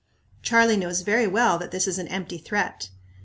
Charlie knows very well that this is an empty threat.